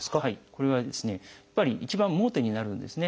これはやっぱり一番盲点になるんですね。